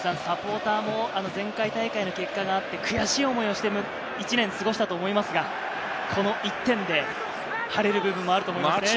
サポーターも前回大会の結果があって、悔しい思いをして１年過ごしたと思いますが、この１点で晴れる部分もあると思います。